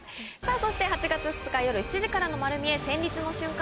そして８月２日夜７時からの『まる見え！』戦慄の瞬間